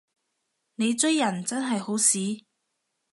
你追人真係好屎